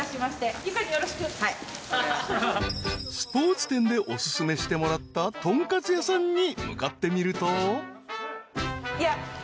［スポーツ店でお薦めしてもらった豚カツ屋さんに向かってみると］